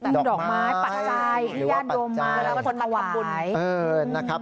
แล้วเป็นคนมาหวาย